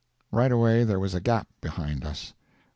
Right away there was a gap behind us.